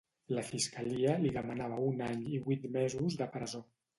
La fiscalia li demanava un any i vuit mesos de presó.